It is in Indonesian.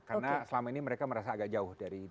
karena selama ini mereka merasa agak jauh dari dpr